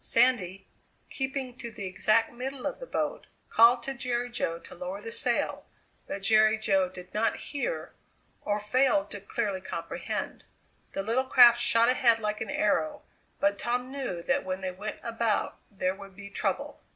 Sandy, keeping to the exact middle of the boat, called to Jerry Jo to lower the sail, but Jerry Jo did not hear, or failed to clearly comprehend. The little craft shot ahead like an arrow, but Tom knew that when they went about there would be trouble.